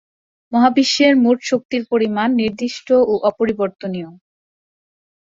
মহাবিশ্বের মোট শক্তির পরিমাণ নির্দিষ্ট ও অপরিবর্তনীয়।